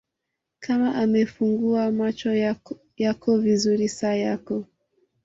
Kama umefungua macho yako vizuri saa yako